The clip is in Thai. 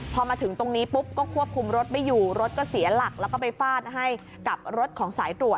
พอมาถึงตรงนี้ปุ๊บก็ควบคุมรถไม่อยู่รถก็เสียหลักแล้วก็ไปฟาดให้กับรถของสายตรวจ